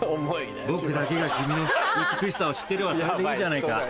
僕だけが君の美しさを知ってればそれでいいじゃないか。